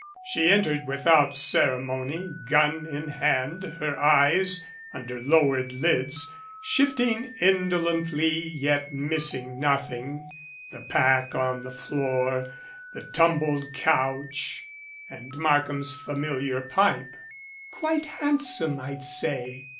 She entered without ceremony, gun in hand, her eyes, under lowered lids, shifting indolently, yet missing noth ing the pack on the floor, the tumbled couch, and Mark ham's familiar pipe. "Quite handsome, I'd say.